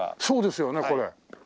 そうですよねこれ。